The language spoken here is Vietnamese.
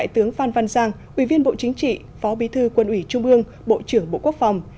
tướng phan văn giang ủy viên bộ chính trị phó bí thư quân ủy trung ương bộ trưởng bộ quốc phòng